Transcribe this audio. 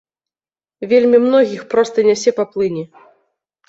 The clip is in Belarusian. Вельмі многіх проста нясе па плыні.